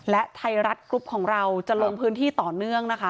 และไทยรัฐกรุ๊ปของเราจะลงพื้นที่ต่อเนื่องนะคะ